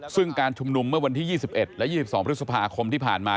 ซึ่งการชุมนุมเมื่อวันที่๒๑และ๒๒พฤษภาคมที่ผ่านมา